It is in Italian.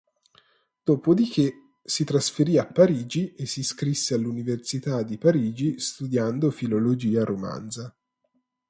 Dopodiché, si trasferì a Parigi e si iscrisse all'Università di Parigi studiando filologia romanza.